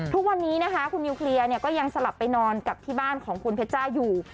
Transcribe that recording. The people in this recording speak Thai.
ทุกวันนี้นะคะคุณนิวเคลียร์ก็ยังสลับไปนอนกับที่บ้านของคุณเพชจ้าอยู่